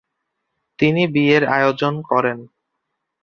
তিনি বিয়ের আয়োজন করেন।